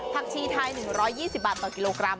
ชีไทย๑๒๐บาทต่อกิโลกรัม